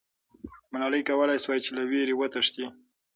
ملالۍ کولای سوای چې له ویرې وتښتي.